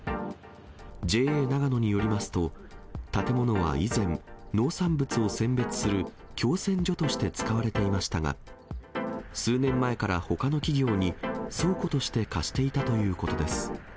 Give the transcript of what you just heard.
ＪＡながのによりますと、建物は以前、農産物を選別する共選所として使われていましたが、数年前からほかの企業に倉庫として貸していたということです。